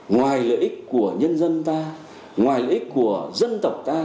ngoài lợi ích của nhân dân ta ngoài lợi ích của dân tộc ta